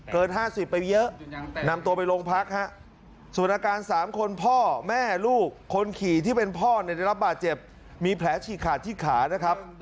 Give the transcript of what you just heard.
๕๐ไปเยอะนำตัวไปโรงพักฮะส่วนอาการ๓คนพ่อแม่ลูกคนขี่ที่เป็นพ่อเนี่ยได้รับบาดเจ็บมีแผลฉีกขาดที่ขานะครับ